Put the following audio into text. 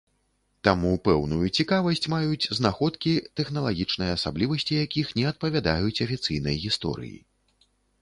Таму, пэўную цікавасць маюць знаходкі, тэхналагічныя асаблівасці якіх не адпавядаюць афіцыйнай гісторыі.